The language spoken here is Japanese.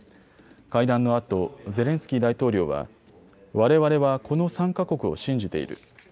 会談のあとゼレンスキー大統領はわれわれはこの３か国を信じている。